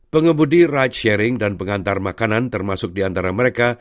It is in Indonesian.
pengemudi ride sharing dan pengantar makanan termasuk diantara mereka